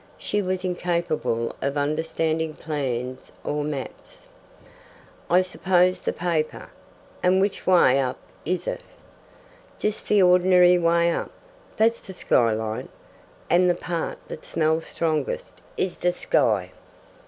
She was incapable of understanding plans or maps. "I suppose the paper." "And WHICH way up is it?" "Just the ordinary way up. That's the sky line, and the part that smells strongest is the sky."